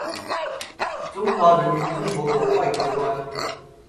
中华人民共和国外交官。